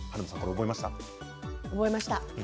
覚えました。